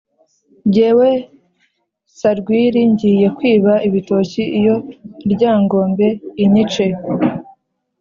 jyewe serwili ngiye kwiba ibitoki iyo ryangombe inyice.